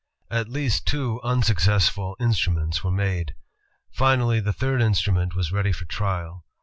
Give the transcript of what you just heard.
At least two unsuccessful instruments were made. Finally the third instrument was ready for trial.